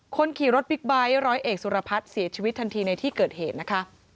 คนขี่รถบิ๊กไบท์ร้อยเอกสุรพัฒน์เสียชีวิตทันทีในที่เกิดเหตุนะคะ